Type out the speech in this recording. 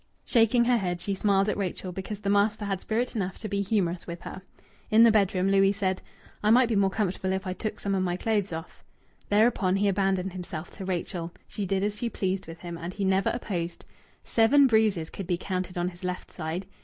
Shaking her head, she smiled at Rachel, because the master had spirit enough to be humorous with her. In the bedroom, Louis said, "I might be more comfortable if I took some of my clothes off." Thereupon he abandoned himself to Rachel. She did as she pleased with him, and he never opposed. Seven bruises could be counted on his left side.